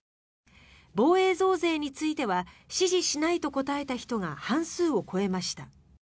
防衛増税については支持しないと答えた人が半数を超えました。